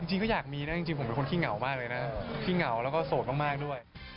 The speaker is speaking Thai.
จริงก็อยากมีนะจริงผมเป็นคนขี้เหงามากเลยนะขี้เหงาแล้วก็โสดมากด้วย